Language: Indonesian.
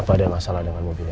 apa ada masalah dengan mobil